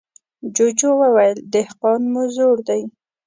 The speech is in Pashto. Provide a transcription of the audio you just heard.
جوجو وويل: دهقان مو زوړ دی.